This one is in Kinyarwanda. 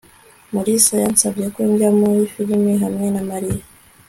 mulisa yansabye ko njya muri firime hamwe na mariya